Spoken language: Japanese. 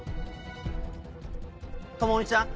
朋美ちゃん